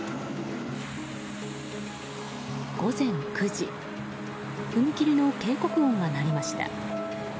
午前９時踏切の警告音が鳴りました。